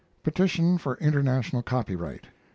Petition for International Copyright.